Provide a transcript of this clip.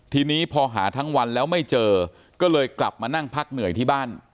ทีนี้พอหาทั้งวันแล้วไม่เจอก็เลยกลับมานั่งพักเหนื่อยที่บ้าน